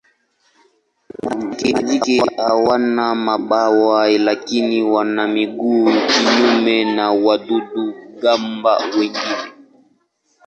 Majike hawana mabawa lakini wana miguu kinyume na wadudu-gamba wengine.